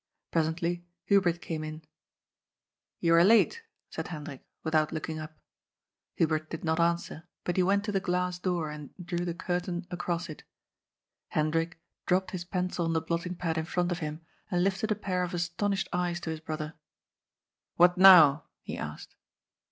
Presently Hubert came in. " You are late," said Hen« drik, without looking up. Hubert did not answer, but he went to the glass door and drew the curtain across it. Hen drik dropped his pencil on the blotting pad in front of him and lifted a pair of astonished eyes to his brother. *^ What now?" he asked.